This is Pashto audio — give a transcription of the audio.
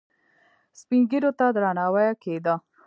سپین ږیرو ته درناوی کیده